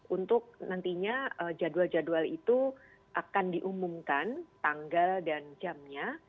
untuk nantinya jadwal jadwal itu akan diumumkan tanggal dan jamnya